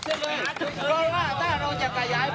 เพราะว่าถ้าเราจะกระยาย